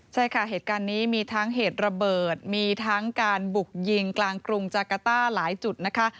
ใช่ค่ะเหตุการณ์นี้มีทั้งเหตุระเบิดมีทั้งการบุกยิงกลางกรุงจากาต้าหลายจุดนะคะ